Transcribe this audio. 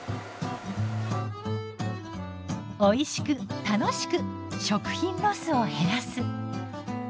おいしく楽しく食品ロスを減らす。